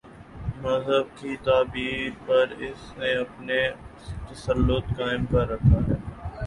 مذہب کی تعبیر پر اس نے اپنا تسلط قائم کر رکھا ہے۔